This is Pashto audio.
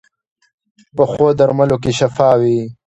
پخو درملو کې شفا وي